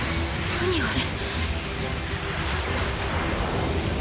何あれ？